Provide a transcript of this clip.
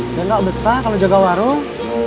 saya nggak betah kalau jaga warung